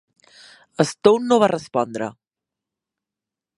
Stone no va respondre.